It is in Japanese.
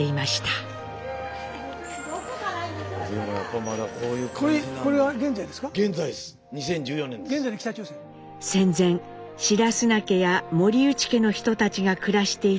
戦前白砂家や森内家の人たちが暮らしていた弥生町。